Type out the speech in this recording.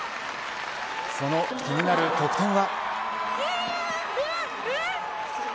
その気になる得点は。